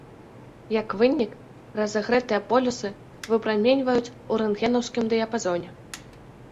Як вынік, разагрэтыя полюсы выпраменьваюць у рэнтгенаўскім дыяпазоне.